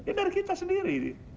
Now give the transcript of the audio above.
ya dari kita sendiri